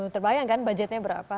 terbayang kan budgetnya berapa